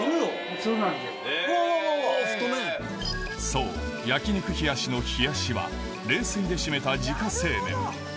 そう焼肉冷やしの「冷やし」は冷水で締めた自家製麺